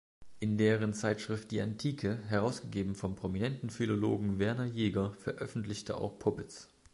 In deren Zeitschrift "Die Antike", herausgegeben vom prominenten Philologen Werner Jaeger, veröffentlichte auch Popitz.